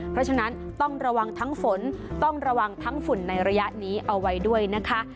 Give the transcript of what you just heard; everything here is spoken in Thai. เพราะฉะนั้นต้องระวังทั้งฝนต้องระวังทั้งฝุ่นในระยะนี้เอาไว้ด้วยนะคะ